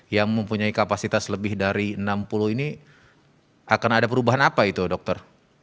yang mempunyai kapasitas lebih dari enam puluh ini akan ada perubahan apa itu dokter